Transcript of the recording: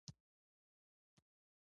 د بسونو دروازې باید په سمه توګه وتړل شي.